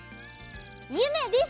ゆめです。